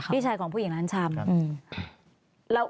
พี่ชายของผู้หญิงร้านชำ